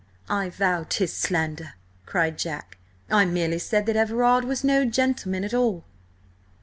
"I vow 'tis slander!" cried Jack. "I merely said that Everard was no gentleman at all."